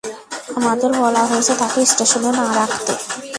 আমাদের বলা হয়েছে তাকে স্টেশনে না রাখতে।